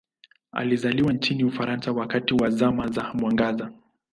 Alizaliwa nchini Ufaransa wakati wa Zama za Mwangaza.